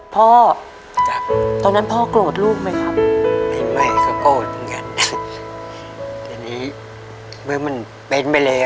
พ่อจ้ะตอนนั้นพ่อโกรธลูกไหมครับเห็นไหมก็โกรธเหมือนกันแต่นี้เมื่อมันเป็นไปเลยอ่ะ